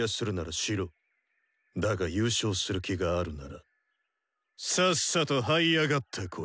だが優勝する気があるならさっさとはい上がってこい。